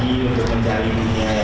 itu adalah kita